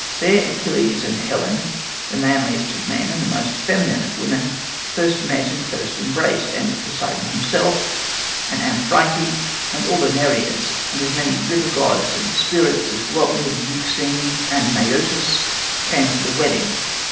There Achilles and Helen, the manliest of men and the most feminine of women, first met and first embraced; and Poseidon himself, and Amphitrite, and all the Nereids, and as many river gods and spirits as dwell near the Euxine and Mæotis, came to the wedding.